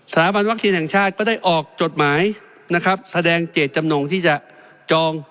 บันวัคซีนแห่งชาติก็ได้ออกจดหมายนะครับแสดงเจตจำนงที่จะจอง